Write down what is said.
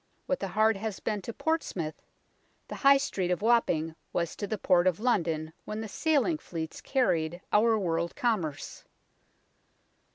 What the Hard has been to Portsmouth, the High Street of Wapping was to the port of London when the sailing fleets carried our world commerce.